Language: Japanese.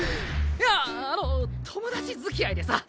いやあの友達づきあいでさ。